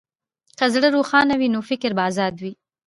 که زړه روښانه وي، نو فکر به ازاد وي.